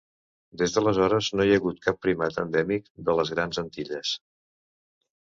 Des d'aleshores, no hi ha hagut cap primat endèmic de les Grans Antilles.